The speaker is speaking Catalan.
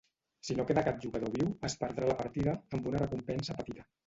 Si no queda cap jugador viu, es perdrà la partida, amb una recompensa petita.